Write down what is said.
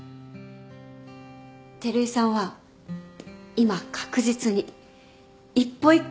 照井さんは今確実に一歩一歩前に進んでる。